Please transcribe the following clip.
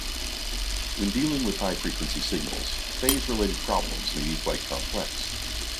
When dealing with high frequency signals, phase-related problems may be quite complex.